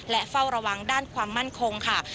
และเฝ้าระวังด้านความมั่นคงค่ะ